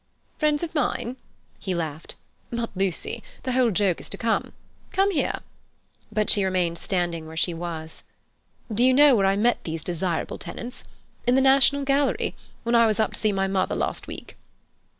"Friends of mine?" he laughed. "But, Lucy, the whole joke is to come! Come here." But she remained standing where she was. "Do you know where I met these desirable tenants? In the National Gallery, when I was up to see my mother last week."